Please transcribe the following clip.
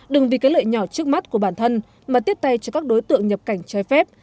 đừng vì cái lợi nhỏ trước mắt của bản thân mà tiếp tay cho các đối tượng nhập cảnh trái phép